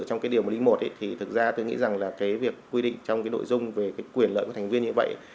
trong cái điều một trăm linh một thì thực ra tôi nghĩ rằng là cái việc quy định trong cái nội dung về cái quyền lợi của thành viên như vậy